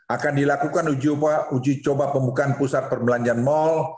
akan dilakukan uji coba pembukaan pusat perbelanjaan mal